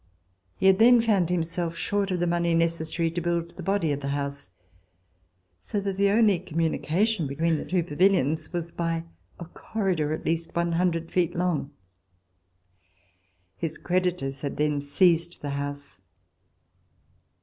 He had then found himself short of the money necessary to build the body of the house, so that the only communication between the two pavilions was by a corridor at least one hundred feet long. His creditors had then seized the house.